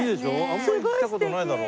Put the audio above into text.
あんまり来た事ないだろ？